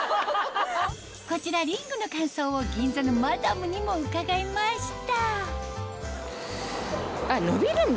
こちらリングの感想を銀座のマダムにも伺いました